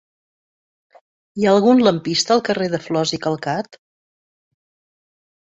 Hi ha algun lampista al carrer de Flos i Calcat?